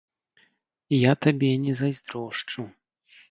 Я табе не зайздрошчу.